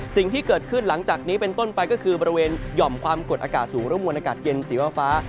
สิ่งที่เกิดขึ้นหลังจากนี้เป็นต้นไปก็คือบริเวณหย่อมความกดอากาศสูงหรือมวลอากาศเย็นสีฟ้า